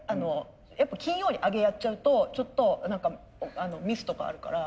やっぱ金曜にアゲやっちゃうとちょっとミスとかあるから。